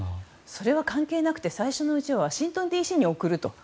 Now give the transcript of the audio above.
それは関係なくて最初はワシントンＤＣに送ると。